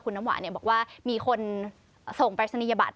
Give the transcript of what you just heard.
น้ำหวานบอกว่ามีคนส่งปรายศนียบัตร